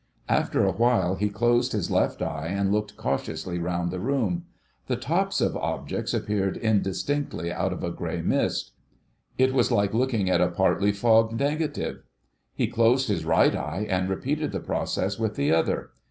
After a while he closed his left eye and looked cautiously round the room. The tops of objects appeared indistinctly out of a grey mist. It was like looking at a partly fogged negative. He closed his right eye and repeated the process with the other.